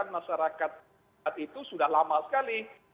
masyarakat itu sudah lama sekali